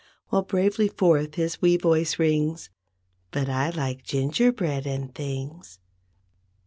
While bravely forth his wee voice rings, "But I like gingerbread and things."